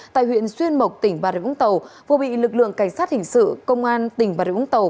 tại huyện xuyên mộc tỉnh bà rịa vũng tàu vừa bị lực lượng cảnh sát hình sự công an tỉnh bà rịa úng tàu